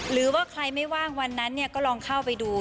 หรือว่าใครไม่ว่างวันนั้นก็ลองเข้าไปดู